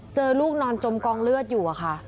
เจอลูกนอนจมกองเลือดอยู่อะค่ะ